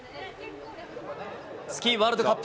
スキーワールドカップ。